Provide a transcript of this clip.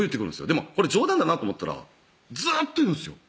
でもこれ冗談だなと思ったらずっと言うんですよ